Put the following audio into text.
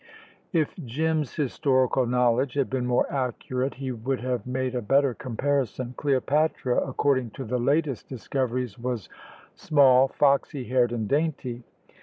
If Jim's historical knowledge had been more accurate, he would have made a better comparison. Cleopatra, according to the latest discoveries, was small, foxy haired, and dainty.